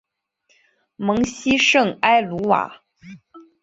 蒙希圣埃卢瓦。